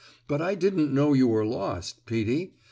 "But I didn't know you were lost, Peetie.